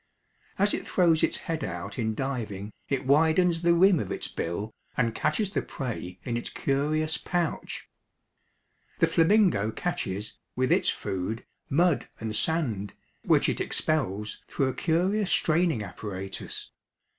As it throws its head out in diving, it widens the rim of its bill and catches the prey in its curious pouch. The flamingo catches, with its food, mud and sand, which it expels through a curious straining apparatus.